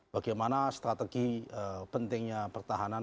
bagaimana strategi pentingnya pertahanan